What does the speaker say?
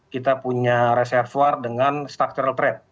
kita punya reservoir dengan structural trade